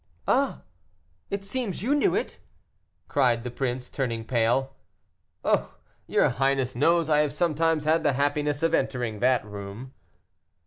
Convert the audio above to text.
"Ah! it seems you knew it," cried the prince, turning pale. "Oh! your highness knows I have sometimes had the happiness of entering that room."